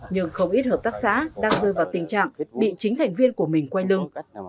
nhưng không ít hợp tác xã đang rơi vào tình trạng bị chính thành viên của mình quay lưng